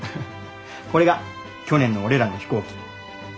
これが去年の俺らの飛行機。